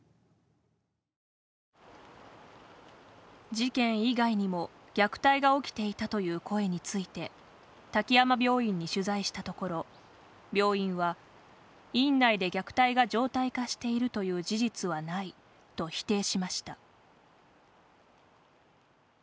事件以外にも、虐待が起きていたという声について滝山病院に取材したところ病院は「院内で虐待が常態化しているという事実はない」と否定しました。